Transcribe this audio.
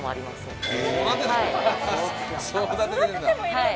はい。